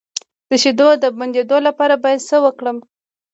د شیدو د بندیدو لپاره باید څه وکړم؟